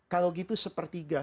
kalau gitu sepertiga